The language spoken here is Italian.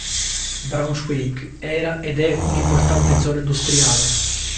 Braunschweig era ed è un'importante zona industriale.